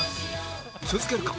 続けるか？